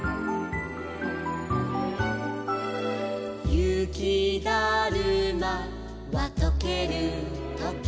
「ゆきだるまはとけるとき」